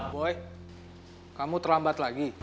boy kamu terlambat lagi